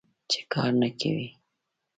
چې کار نه کوې.